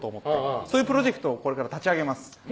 そういうプロジェクトをこれから立ち上げます。